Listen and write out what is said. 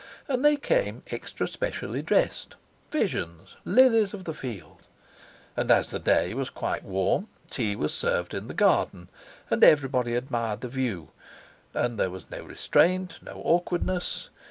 And they came extra specially dressed visions, lilies of the field. And as the day was quite warm, tea was served in the garden, and everybody admired the view; and there was no restraint, no awkwardness.